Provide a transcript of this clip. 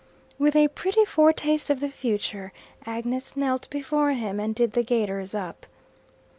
With a pretty foretaste of the future, Agnes knelt before him and did the gaiters up.